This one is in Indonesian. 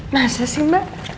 masa sih mbak